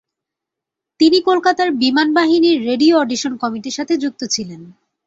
তিনি কলকাতার বিমান বাহিনীর রেডিও অডিশন কমিটির সাথে যুক্ত ছিলেন।